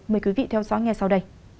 mời quý vị theo dõi nghe sau đây